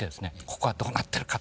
「ここはどうなってるか」